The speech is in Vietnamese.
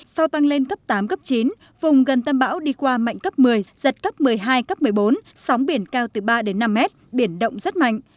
sau tăng lên cấp tám cấp chín vùng gần tâm bão đi qua mạnh cấp một mươi giật cấp một mươi hai cấp một mươi bốn sóng biển cao từ ba đến năm mét biển động rất mạnh